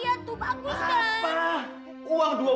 itu juga cuma buat sepatu tuh